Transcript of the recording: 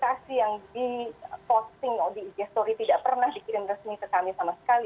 aplikasi yang diposting di ig story tidak pernah dikirim resmi ke kami sama sekali